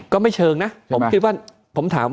ก็ไม่เชิงนะ